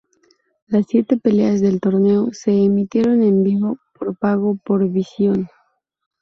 Las siete peleas del torneo se emitieron en vivo por pago por visión.